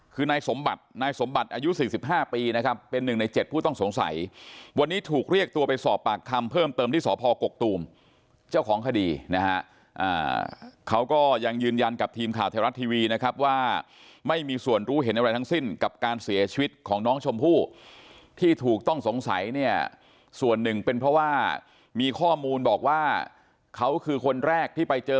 คือนายสมบัติอายุ๔๕ปีเป็นหนึ่งใน๗ผู้ต้องสงสัยวันนี้ถูกเรียกตัวไปสอบปากคำเพิ่มเติมที่สภพกกตูมเจ้าของคดีเค้าก็ยังยืนยันกับทีมข่าวเทราะห์ทีวีนะครับว่าไม่มีส่วนรู้เห็นอะไรทั้งสิ้นกับการเสียชีวิตของล้องชมพูที่ถูกต้องสงสัยในส่วนหนึ่งเป็นเพราะว่ามีข้อมูลบอกว่าเค้า